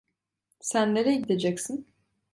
Sen nereye gideceksin?